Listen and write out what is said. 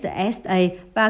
ngoại truyền thông tin